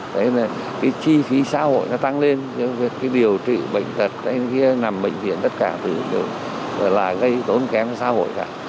thế nên cái chi phí xã hội nó tăng lên điều trị bệnh tật nằm bệnh viện tất cả là gây tốn kém cho xã hội cả